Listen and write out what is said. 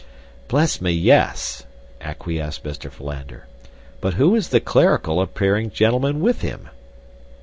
"Bless me, yes!" acquiesced Mr. Philander. "But who is the clerical appearing gentleman with him?"